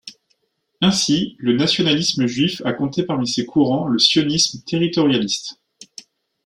Ainsi le nationalisme juif a compté parmi ses courants le sionisme territorialiste.